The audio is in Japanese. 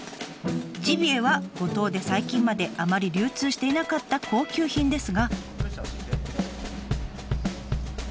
ジビエは五島で最近まであまり流通していなかった高級品ですが。